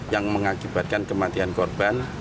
yang mengakibatkan kematian korban